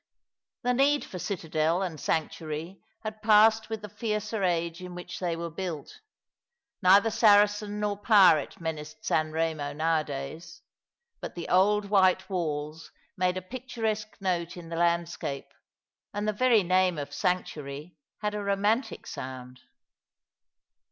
.^ 1 The need for Citadel and Sanctuary had passed with tho fiercer age in which they were built. Neither Saracen nor pirate menaced San Eemo nowadays; but the old white walls made a picturesque note in the landscape, and tho very name of Sanctuary had a romantic sound.